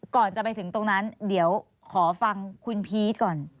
ก่อนจะไปถึงตรงนั้นเดี๋ยวขอฟังคุณพีชก่อน